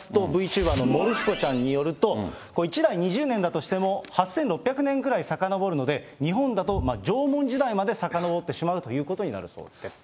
チューバーのもるすこちゃんによると、１代２０年だとしても、８６００年ぐらいさかのぼるので日本だと縄文時代ぐらいまでさかのぼってしまうということになるそうです。